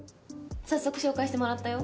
早速紹介してもらったよ。